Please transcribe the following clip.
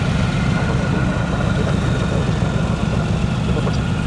হংকংয়ে পূর্ণ গণতন্ত্রের দাবিতে দুই সপ্তাহেরও বেশি সময় ধরে গণতন্ত্রকামীরা বিক্ষোভ করছেন।